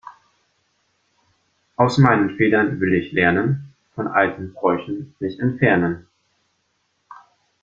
Aus meinen Fehlern will ich lernen, von alten Bräuchen mich entfernen.